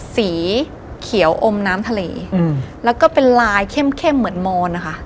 สีเขียวอมน้ำทะเลแล้วก็เป็นลายเข้มเหมือนมอนนะคะ